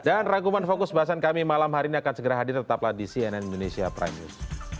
dan raguman fokus bahasan kami malam hari ini akan segera hadir tetaplah di cnn indonesia prime news